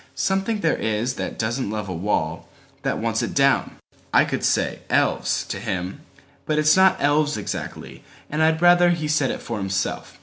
Something there is that doesn't love a wall, That wants it down!" I could say "Elves" to him, But it's not elves exactly, and I'd ratherHe said it for himself.